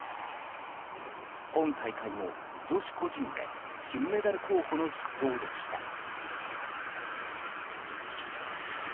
今大会も女子個人で金メダル候補の筆頭でした。